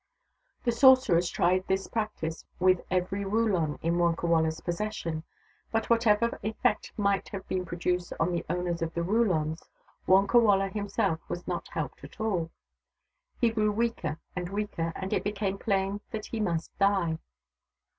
The sorcerers tried this practice with every wuulon in Wonkawala's possession ; but whatever effect might have been produced on the owners of the wuulons, Wonkawala himself was not helped at all. He grew weaker and weaker, and it became plain that he must die.